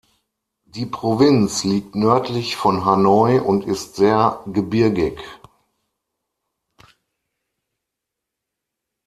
Die Provinz liegt nördlich von Hanoi und ist sehr gebirgig.